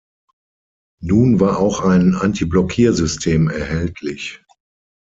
Nun war auch ein Antiblockiersystem erhältlich.